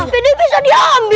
padeh bisa diambil